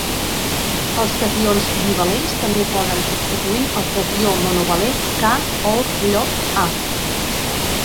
Els cations divalents també poden substituir el catió monovalent K all lloc A.